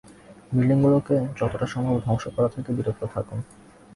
বিল্ডিংগুলোকে যতটা সম্ভব ধ্বংস করা থেকে বিরত থাকুন।